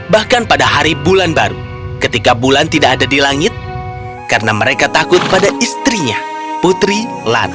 bahkan pada hari bulan baru ketika bulan tidak ada di langit karena mereka takut pada istrinya putri lana